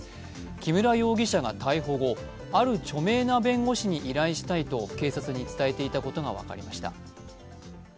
木村容疑者が逮捕後、ある著名な弁護士に依頼したいと警察に伝えていたことが分かりました。